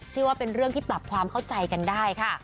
ชื่อว่าเป็นเรื่องที่ปรับความเข้าใจกันได้ค่ะ